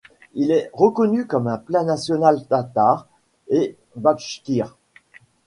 Il est reconnu comme un plat national tatar et bachkir.